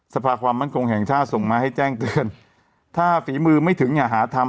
สภาความมั่นคงแห่งชาติส่งมาให้แจ้งเตือนถ้าฝีมือไม่ถึงอย่าหาทำ